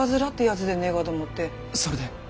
それで？